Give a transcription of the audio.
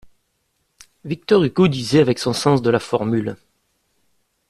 Victor Hugo disait, avec son sens de la formule